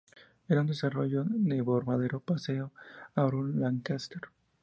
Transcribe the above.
Era un desarrollo del bombardero pesado Avro Lancaster.